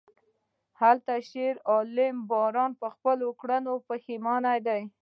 هلته د شیرعالم یاران په خپلو کړو پښیمانه دي...